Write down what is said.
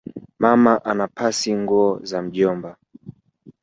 Mama anapasi nguo za mjomba